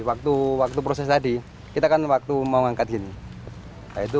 waktu proses tadi kita kan waktu mau mengangkat ini